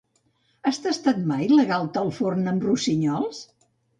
Has tastat mai la galta al forn amb rossinyols?